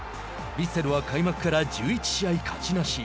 ヴィッセルは開幕から１１試合、勝ちなし。